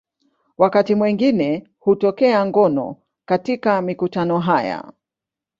Wakati mwingine hutokea ngono katika mikutano haya.